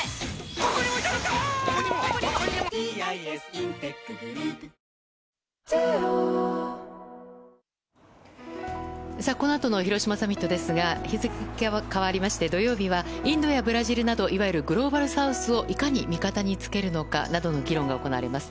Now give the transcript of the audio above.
イライラには緑の漢方セラピーさあ、このあとの広島サミットですが日付が変わりまして土曜日はインドやブラジルなどいわゆるグローバルサウスをいかに味方につけるかなどの議論が行われます。